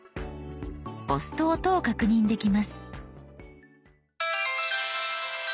押すと音を確認できます。」）